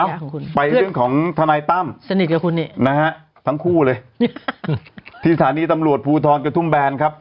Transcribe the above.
ครับไปเรื่องของธนัยตั้มนะฮะทั้งคู่เลยที่สถานีตำรวจภูทรกับทุ่มแบรนด์ครับ